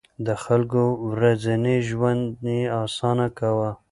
د خلکو ورځنی ژوند يې اسانه کاوه.